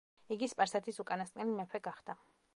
იგი სპარსეთის უკანასკნელი მეფე გახდა.